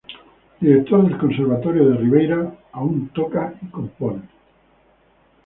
Director del Conservatorio de Ribeira, aun toca y compone.